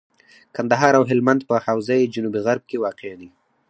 کندهار او هلمند په حوزه جنوب غرب کي واقع دي.